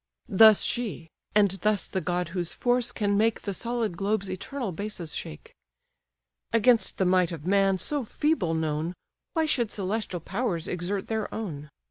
Thus she; and thus the god whose force can make The solid globe's eternal basis shake: "Against the might of man, so feeble known, Why should celestial powers exert their own?